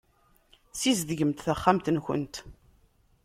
Sizedgemt taxxamt-nkent.